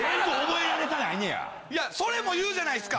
いやそれも言うじゃないすか。